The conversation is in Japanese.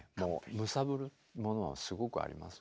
揺さぶるものはすごくありますよね。